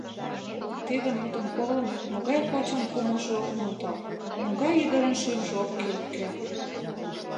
Тиде мутым колын, могай качын кумылжо ок нӧлталт, могай ӱдырын шӱмжӧ ок кӱлткӧ!